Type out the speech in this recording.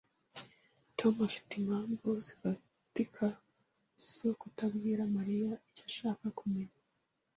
Tom afite impamvu zifatika zo kutabwira Mariya icyo ashaka kumenya.